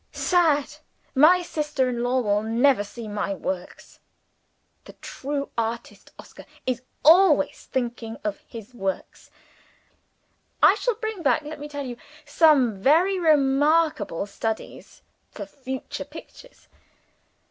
sad! my sister in law will never see my Works." The true artist, Oscar, is always thinking of his Works. I shall bring back, let me tell you, some very remarkable studies for future pictures.